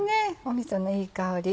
みそのいい香り。